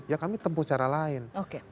ya kami tempuh cara lain